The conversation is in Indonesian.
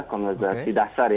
konversasi dasar ya